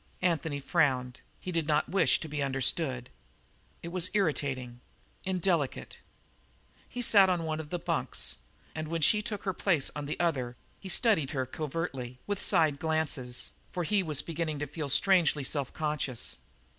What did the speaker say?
Anthony frowned; he did not wish to be understood. It was irritating indelicate. He sat on one of the bunks, and when she took her place on the other he studied her covertly, with side glances, for he was beginning to feel strangely self conscious.